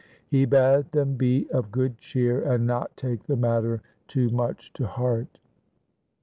He bade them be of good cheer and not take the matter too much to heart.